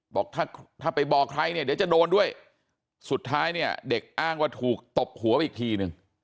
บอกถ้าถ้าไปบอกใครเนี่ยเดี๋ยวจะโดนด้วยสุดท้ายเนี่ยเด็กอ้างว่าถูกตบหัวไปอีกทีนึง